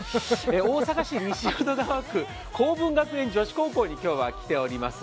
大阪市西淀川区、好文学園女子高校に今日は来ております。